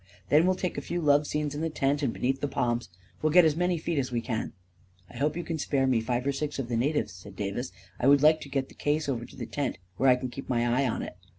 Then we'll take a few love scenes in the tent and beneath the palms. We'll get as many feet as we can 1 "" I hope you can spare me five or six of the na tives," said Davis. " I would like to get the case over to the tent, where I can keep my eye on it."